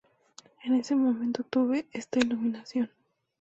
En ese momento tuve esta iluminación.